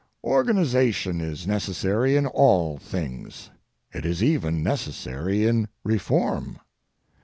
Organization is necessary in all things. It is even necessary in reform.